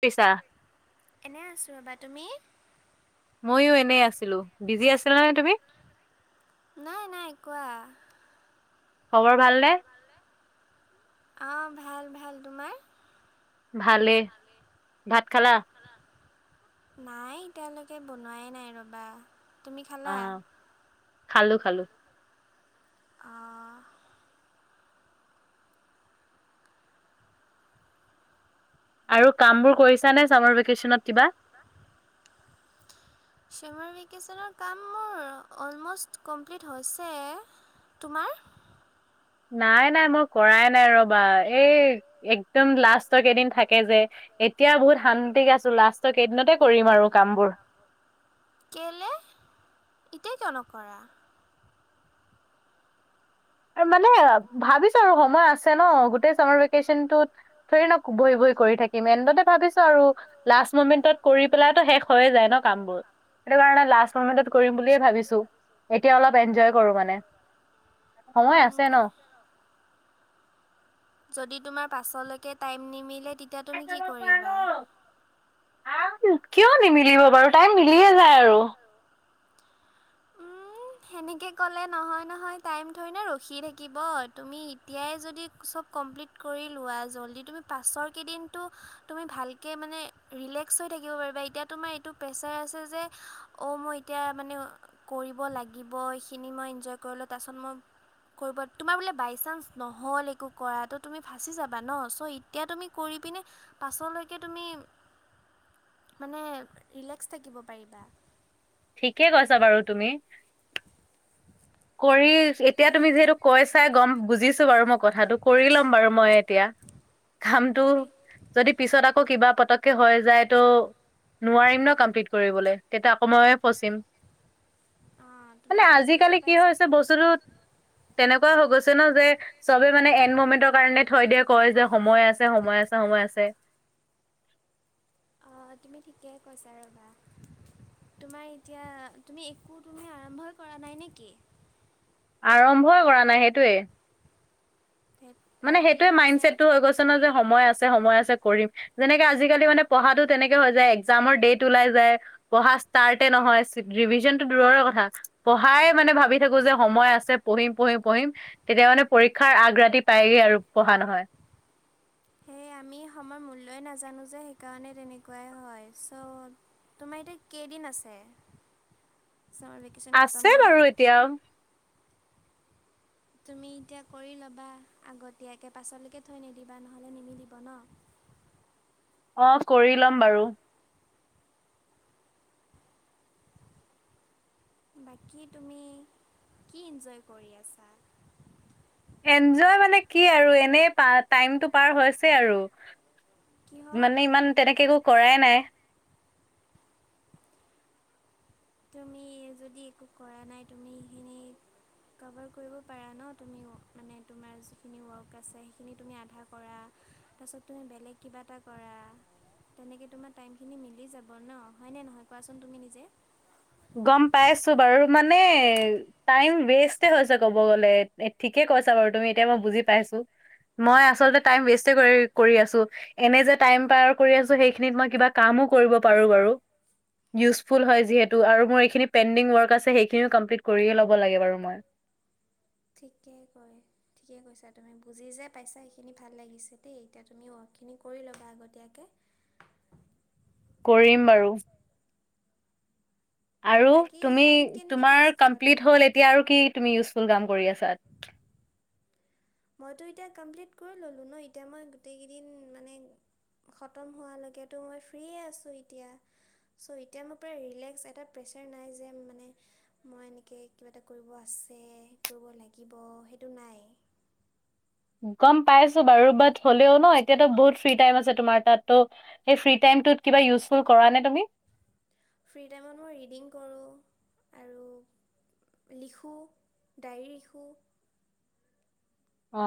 পিছা। এনে আছো ৰবা তুমি? মইয়ো এনেই আছিলো বিজি আছিলা নে তুমি? নাই নাই কোৱা‌‌? খবৰ ভাল নে? অঁ ভাল ভাল তোমাৰ? ভালে ভাত খালা‌? নাই এতিয়ালৈকে বনোৱাই নাই ৰ'বা। তুমি অ খালা খালো খালো। অ আৰু কামবোৰ কৰিছা নে চামাৰ ভেকেচনত কিবা? চামাৰ ভেকেচনৰ কাম মোৰ অলমষ্ট কমপ্লিট হৈছে‌। তোমাৰ? নাই নাই মই কৰাই নাই ৰবা এই একদম লাষ্টৰ কেইদিন থাকে যে, এতিয়া বহুত শান্তিকে আছো লাষ্টৰ কেইদিনতে কৰিম আৰু কামবোৰ। কেলে এতিয়াই কিয় নকৰা? মানে ভাবিছোঁ আৰু সময় আছে ন গোটেই চামাৰ ভেকেচনটোত ধৰি ন বহি বহি কৰি থাকিম এনেদৰে ভাবিছোঁ আৰু লাষ্ট মমেণ্টত কৰি পেলাইতো শেষ হৈয়ে যায় ন কামবোৰ সেইটো কাৰণে লাষ্ট মমেন্টত কৰিম বুলিয়ে ভাবিছো এতিয়া অলপ এনজয় কৰো মানে। সময় আছে উম, ন, যদি তোমাৰ পাছলৈকে টাইম নিমিলে তেতিয়া তুমি কি কৰিবা? কিয় নিমিলিব বাৰু টাইম মিলিয়ে যায় আৰু উম, [inaudible] সেনেকে ক'লে নহয় নহয় টাইম থৰে না ৰখি থাকিব তুমি এতিয়াই যদি চব কমপ্লিট কৰিলোৱা জল্দি তুমি পাছৰ কেইদিনটো তুমি ভালকে মানে ৰিলেক্স হৈ থাকিব পাৰিবা এতিয়া তোমাৰ এইটো প্ৰেছাৰ আছে যে অ' মই এতিয়া মানে কৰিব লাগিব এইখিনি মই এনজয় কৰিলোঁ তাৰ পিছত মই কৰিবত তোমাৰ বোলে বাইচানঞ্চ নহ'ল একো কৰা তো তুমি ফাঁচি যাবা ন ছ' ই এতিয়া তুমি কৰি পিনে পাছলৈকে তুমি [inaudible] মানে ৰিলেক্স থাকিব পাৰিবা ঠিকে কৈছা বাৰু তুমি কৰি এতিয়া তুমি যিহেতু, কৈ চাই গম বুজিছো বাৰু মই কথাটো কৰি ল'ম বাৰু মই এতিয়া কামটো কৰি যদি পিছত আকৌ কিবা পতকে হৈ যায় তো নোৱাৰিম ন কমপ্লিট কৰিবলে তেতিয়া আকৌ ম‌ইয়ে ফচিম অঁ তুমি মানে বুজি যে আজিকালি কি পাইছা হৈছে বস্তুটো তেনেকুৱা হৈ গৈছে ন যে চবে মানে এন মমেন্টৰ কাৰণে থৈ দিয়ে কয় যে সময় আছে সময় আছে সময় আছে অঁ তুমি ঠিকেই কৈছা ৰ'বা তোমাৰ এতিয়া তুমি একো তুমি আৰম্ভই কৰা নাই নেকি? আৰম্ভই কৰা নাই সেইটোৱে, থেইত মানে সেইটোৱে মাইণ্ড ছেটটো হৈ গৈছে ন যে সময়, আছে সময় আছে কৰিম- যেনেকে আজিকালি মানে পঢ়াতো তেনেকে হৈ যায় এক্সযাম ডেট ওলাই যায়। পঢ়া ষ্টাৰ্টে নহয় ৰিভিজন টো দূৰৰে কথা পঢ়াই মানে ভাবি থাকো যে সময় আছে পঢ়িম পঢ়িম পঢ়িম তেতিয়া মানে পৰীক্ষাৰ আগ ৰাতি প্ৰাইয়ে আৰু পঢ়া নহয়। সেয়ে আমি সময়ৰ মূল্যই নাজানো যে সেইকাৰণে তেনেকুৱাই হয় চ' তোমাৰ এতিয়া কেইদিন আছে চমাৰভেক- আছে বাৰু এতিয়া তুমি এতিয়া কৰি ল'বা আগতীয়াকে পাচলেকে থৈ নিদিবা নহ'লে নিমিলিব ন। অ কৰি ল'ম বাৰু। বাকী তুমি কি ইঞ্জয় কৰি আছা? এঞ্জয় মানে কি আৰু এনেই প টাইমটো পাৰ হৈছে আৰু। কিহত মানে ইমান তেনেকে একো কৰাই নাই। তুমি যদি একো কৰা নাই তুমি এইখিনি কভাৰ কৰিব পাৰা ন তুমি মানে তোমাৰ যিখিনি ৱৰ্ক আছে সেইখিনি তুমি আধা কৰা তাৰপিছত তুমি বেলেগ কিবা এটা কৰা। তেনেকৈ তোমাৰ টাইমখিনি মিলি যাব ন হয়নে, নহয় কোৱাচোন তুমি নিজে? গম পাই আছো বাৰু মানে টাইম ৱেষ্টে হৈছে কব গলে ঠিকে কৈছা বাৰু তুমি এতিয়া মই বুজি পাইছো। মই আচলতে টাইম ৱেষ্টে কৰি কৰি আছো এনে যে টাইম পাৰ কৰি আছো সেইখিনিত মই কিবা কামো কৰিব পাৰোঁ বাৰু ইউজফুল হয় যিহেত- টো আৰু মোৰ এইখিনি পেণ্ডিং ৱৰ্ক আছে সেইখিনিও কমপ্লট কৰি এ লব লাগে বাৰু মই। ঠিকেই কয়। ঠিকে কৈছা তুমি বুজি যে পাইছা সেইখিনি ভাল লাগিছে দেই এতিয়া তুমি ৱৰ্কখিনি কৰি ল'বা আগতীয়াকে। কৰিম বাৰু। আৰু বাকী তুমি টাইম কেনেকৈ পাছ তোমাৰ কৰা কমপ্লিট তুমি হ'ল এতিয়া আৰু কি তুমি ইউজফুল কাম কৰি আছা। মইতো এতিয়া কমপ্লিট কৰি ল'লোঁ ন এতিয়া মই গোটেইকেইদিন মানে খতম হোৱালৈকেতো মই ফ্ৰে আছোঁ এতিয়া। ছ' এতিয়া মোৰ প্ৰায় ৰিলেক্স এটা প্ৰেছাৰ নাই যে মানে মই এনেকৈ কিবা এটা কৰিব আছে কৰিব লাগিব সেইটো নাই। গ'ম পাইছো বাৰু বাট হ'লেও ন এতিয়াতো বহুত ফ্ৰী টাইম আছে তোমাৰ তাত ত- সেই ফ্ৰী টাইম টোত কিবা ইউজফুল কৰা নে তুমি? ফ্ৰী টাইমত মই ৰিডিং কৰোঁ আৰু লিখোঁ ডায়েৰী লিখোঁ অ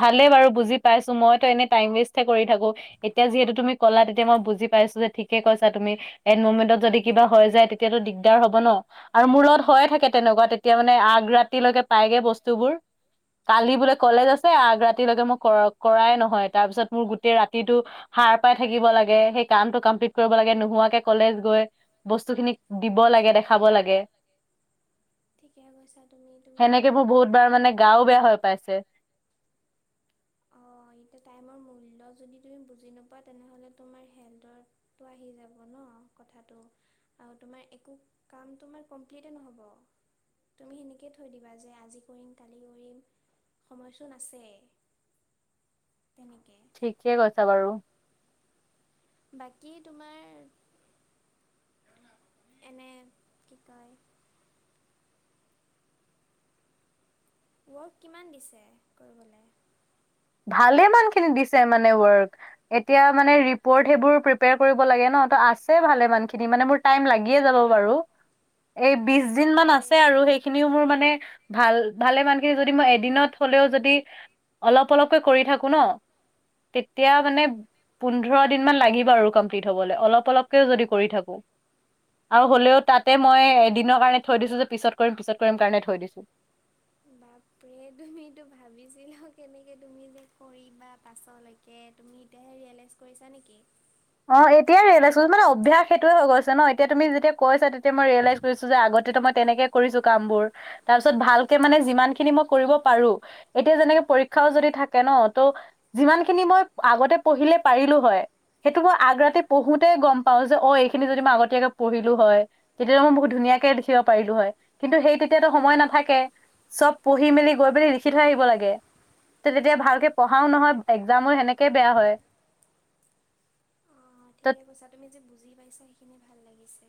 ভালেই কৰি বাৰু বুজি পিনে পাইছো মইতো এনে টাইম ৱেষ্ট কৰি থাকো এতিয়া যিহেতু তুমি কলা তেতিয়া মই বুজি পাইছো যে ঠিকে কৈছা তুমি এন মমেণ্টত যদি কিবা হয় যায় তেতিয়াতো দিগদাৰ হব ন আৰু মোৰ লগত হয়য়ে থাকে তেনেকুৱা তে- এতিয়া মানে আগ ৰাতিলৈকে পাইগে বস্তুবোৰ কালি বোলে কলেজ আছ- আগ ৰাতিলৈকে মই কৰাই নহয় তাৰপিছত মোৰ গোটেই ৰাতিটো সাৰ পাই থাকিব লাগে সেই কামটো কমপ্লিট কৰিব লাগে নোহোৱাকে কলেজ গৈ বস্তু খিনিক দিব লাগে দেখাব লাগে। ঠিকে কৈছা তুমি, তুমি এইবাৰ মানে গাও বেয়া হৈ পাইছে। অ এতিয়া টাইমৰ মূল্য যদি তুমি বুজি নোপোৱা তেনেহ'লে তোমাৰ হেলথৰ তো আহি যাব ন কথাতটো আৰু তোমাৰ একো কাম তোমাৰ কমপ্লিটে নহ'ব। তুমি সেনেকে থৈ দিবা যে আজি কৰিম কালি কৰিম সময়চোন আছে। তেনেকে ঠিকে কৈছা বাৰু। বাকী তোমাৰ এনে কি কয়? ৱৰ্ক কিমান দিছে কৰিবলে? ভালে মান খিনি দিছে মানে ৱৰ্ক। এতিয়া মানে ৰিপৰ্ট সেইবোৰ প্ৰিপেয়াৰ কৰিব লাগে ন, ত আছে ভালে ইমান খিনি মানে মোৰ। টাইম লাগি এ যাব বাৰু, এই বিছদিন মান বাপৰে আছে আৰু খিনিও মোৰ মানে ভাল ভালে মানকে যদি মই এদিনত হ'লেও যদি অলপ, অলপ কৰি থাকি ন তেতিয়া মানে অঁ পো- পোন্ধৰ দিন মান লাগিব আৰু কমপ্লিট হবলৈ, অলপ অলপকেও যদি কৰি থাকো। আৰু হ'লেও তাতে মই এদিনৰ কাৰণে থৈ দিছো যে পিছত কৰিম পিছত কৰিম কাৰণে থৈ দিছো। বাপৰে তুমিতো ভাবিছিলা কেনেকে তুমি যে কৰি বা পাছলৈকে- কে তুমি এতিয়াহে ৰিয়েলাইজ কৰিছা নেকি? অ এতিয়াই ৰিয়েলাইজ মানে অভ্যাস সেইটোয়ে হৈ গৈছে ন, এতিয়া তুমি যেতিয়া কৈছা তেতিয়াই মই ৰিয়েলাইজ- কৈছো যে আগতে মই তেনেকে কৰিছো কাম বোৰ, তাৰ পিছত ভালকে মানে যিমান খিনি মই কৰিব পাৰো। এতিয়া যেনেকে পৰীক্ষাও যদি থাকে ন, ত' যিমান খিনি মই আগতে পঢ়িলে পাৰিলো হয়। সেইটো মই আগ্ৰতি পঢ়োতে গম পাওঁ যে, অ এইখিনি যদি মই আগতীয়াকে পঢ়িলো হয়। তেতিয়লে মই বহুত ধুনীয়াকে দেখিব পাৰিলো হয়, কিন্তু সেই তেতিয়াতো সময় নাথাকে। চব পঢ়ি মেলি গৈ মেলি লিখি থৈ আহিব লাগে। তেতিয়া ভালকে পঢ়াও নহয়, একজামো সেনেকে বেয়া হয়। অঁ ত ঠিকে কৈছা, তুমি যে বুজি পাইছা সেইখিনি ভাল লাগিছে।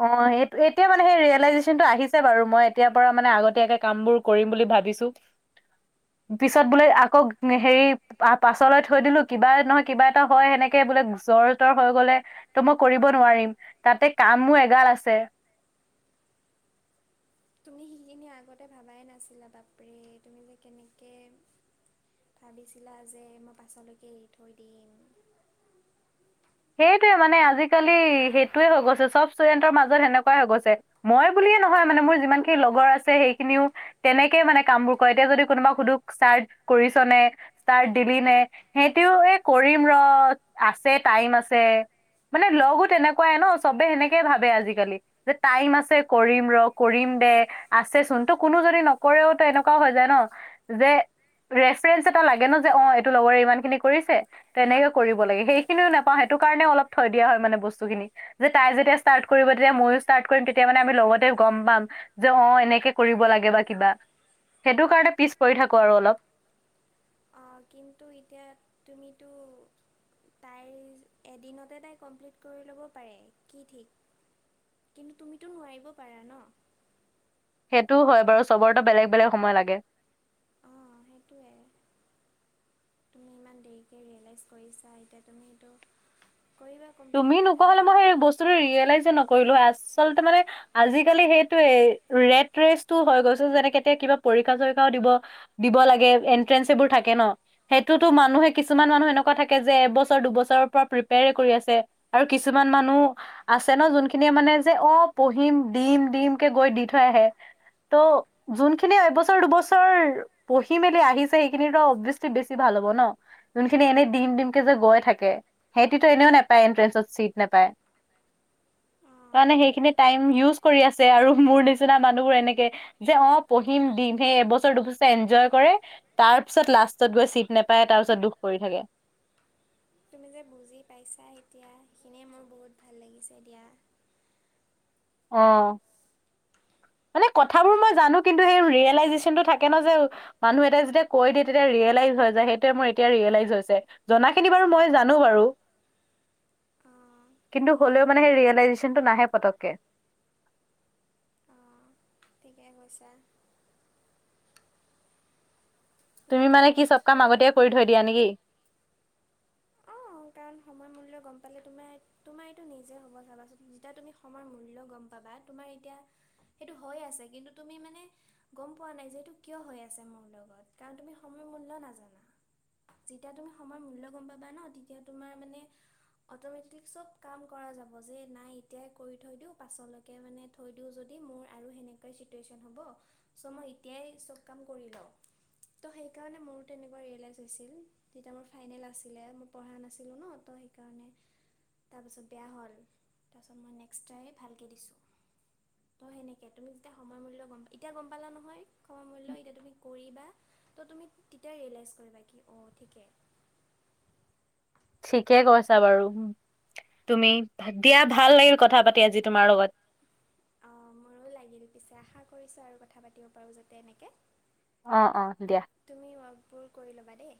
অ' সেইট এতিয়া মানে সেই ৰিয়েলাইজেচনটো আহিছে বাৰু মই এতিয় পৰা মানে আগতীয়াকে কাম বোৰ কৰিম বুলি ভাবিছো। [unintelligible] পিছত বোলে অঁ আকৌ হেৰি পাছলৈ থৈ দিলো, কিবা নহয় কিবা এটা হয় সেনেকে বোলে জ্বৰ- হৈ গলে ত' মই কৰিব নোৱাৰিম তাতে কামো এগাল আছে। সিখিনি আগতে ভাবাই নাছিলা বাপৰে তুমি যে কেনেকে - ভাবিছিলা যে মই পাছলৈকে এৰি থৈ দিম। সেইটোৱে মানে, আজিকালি সেইটোৱে হৈ গৈছে চব ষ্টুডেণ্টৰ মাজত সেনেকুৱাই হৈ গৈছে। মই বুলিয়ে নহয় মানে, মোৰ যিমানখিনি লগৰ আছে সেইখিনিও। তেনেকে মানে কামবোৰ কৰে, এতিয়া যদি কোনোবা সুধ চাৰজ কৰিছনে। ষ্টাৰ্ট দিলি নে, সেহঁতেও এই কৰিম ৰ আছে টাইম আছে। মানে লগো তেনেকুৱাই ন, চবে সেনেকে ভাবে আজিকালি। যে টাইম আছে কৰিম ৰ কৰিম দে। আছেচোন তো কোনো যদি নকৰেও তো এনেকুৱাও হৈ যায় ন যে। ৰেফাৰেঞ্চ এটা লাগে ন যে অ এইটো লগৰে ইমান খিনি কৰিছে। তেনেকে কৰিব লাগে, সেইখিনিও নোপাওঁ সেইটো কাৰণে অলপ থৈ দিয়া হয় মানে বস্তুখিনি। যে তাই যেতিয়া ষ্টাৰ্ট কৰিব তেতিয়া ময়ো ষ্টাৰ্ট কৰিম তেতিয়া মানে আমি লগতে গম পাম। যে অ এনেকে কৰিব লাগে বা কিবা, সেইটো কাৰণে পিছ পৰি থাকো আৰু অলপ। অঁ কিন্তু এতিয়া তুমিতো। তাইৰ এদিনতে তাই কমপ্লিট কৰি ল'ব পাৰে কি ঠিক। কিন্তু তুমিতো নোৱাৰিব পাৰা ন। সেইটোও হয় বাৰু চবৰতো বেলেগ বেলেগ সময় লাগে। অঁ সেইটোৱে। দেৰিকে ৰিয়েলাইজ কৰিছা এতিয়া তুমি ত' কৰিবা। কমপ্লিট তুমি নোকোৱা হলে ভালকৈ মই সেই বস্তুটো ৰিয়েলাইজে নকৰিলো আচলতে মানে- আজিকালি সেইটোৱে ৰেড ৰেচটো হৈ গৈছে যেনেক এতিয়া কিবা পৰীক্ষা চৰিক্ষাও দিব। দিব লাগে এট্ৰেঞ্চবোৰ থাকে ন। সেইটোতো মানুহে কিছুমান মানুহ এনেকুৱা থাকে যে এবছৰ দুবছৰৰ পৰা প্ৰিপেয় কৰি আছে। ছে আৰু কিছুমান মানুহ- আছে ন, যোনখিনিয়ে মানে যে, অ পঢ়িম দিম দিমকে গৈ দি থৈ আহে। ত' যোনখিনি এবছৰ দুবছৰ- পঢ়ি মেলি আহিছে সেইখিনিতো অবিয়েচলি বেছি ভাল হব ন। যোনখিনি এনেই দিম দিম কে যে গৈ থাকে সেইটোতো এনেওে। তাই ইন্তেৰেঞ্চত চিত নাপাই, অঁ সেইকাৰণে সেইখিনি ঠিকে টাইম কৈছা ইউচ কৰি আছে আৰু মোৰ নিচিনা মানুহবোৰ এনেকে যে অ পঢ়িম, দিম। সেই এবছৰ, দুবছৰ এনজয় কৰে। তাৰ পিছত লাষ্টত গৈ চিট নেপায় তাৰপিছত দুখ কৰি থাকে। তুমি যে বুজি পাইছা এতিয়া সেইখিনিয়ে মোৰ বহুত ভাল লাগিছে দিয়া। অঁ। মানে কথাবোৰ বাক মই জানো, কিন্তু সেই ৰিয়েলাইজেচনটো থাকে ন যে মানুহ এটাই যেতিয়া কৈ দিয়ে তেতিয়া ৰিয়েলাইজ হৈ যায়। সেইটোৱে মোৰ এতিয়া ৰিয়েলাইজ হৈছে। জনা খিনি বাৰু মই জানো বাৰু। অঁ কিন্তু তুমি হ'লেও মানে সেই ৰিয়েলাইজেচনটো নাহে পতককে। অঁ ঠিকে কৈছা। এতিয়া তুমি মানে কি চব কমপ্লিট কাম আগতেই ল'বা কৰি থৈ দিয়া নে কি? অঁ কাৰণ সময় মূল্য গম পালে তোমাৰ তোমাৰ এইটো নিজে হ'ব চাবাচোন। যেতিয়া তুমি সময় মূল্য গম পাবা তোমাৰ এতিয়া সেইটো হৈ আছে কিন্তু তুমি মানে গম পোৱা নাই যে এইটো কিয় হৈ আছে মোৰ লগত? কাৰণ তুমি সময়ৰ মূল্য নাজানা। যেতিয়া তুমি সময়ৰ মূল্য গম পাবা ন তেতিয়া তোমাৰ মানে অটমেটিক চব কাম কৰা যাব যে নাই এতিয়াই কৰি থৈ দিও। পাছলৈ কে মানে থৈ দিওঁ যদি মোৰ আৰু সেনেকুৱাই ছিটুৱেছন হ'ব। চ মই এতিয়াই চব কাম কৰি লওঁ। ত' সেই কাৰণে মোৰ তেনেকুৱা ৰিয়েলাইজ হৈছিল। তেতিয়া মোৰ ফাইনেল আছিলে। মো পঢ়া নাছিলো ন ত সেইকাৰণে তাৰপাছত বেয়া হ'ল। তাৰপাছত মই নেক্সট ট্ৰাই ভালকে দিছো। অ সেনেকে। তুমি যেতিয়া সময় মূল্য গম পা, এতিয়া গম পালা নহয়? সময়ৰ মূল্য এতিয়া তুমি কৰিবা। ত তুমি তেতিয়া ৰিয়েলাইজ কৰিবা কি অ ঠিকে। ঠিকে কৈছা বাৰু তুমি। দিয়া ভাল লাগিল কথা পাতি আজি তোমাৰ লগত। অ মোৰো লাগিল। পিছে আশা কৰিছো আৰু কথা পাতিব পাৰো যাতে এনেকে। অ, অ দিয়া। তুমি ৱৰ্কবোৰ কৰি ল'বা দেই।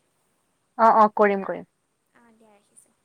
অ, অ কৰিম, কৰিম। অ দিয়া ৰাখিছো।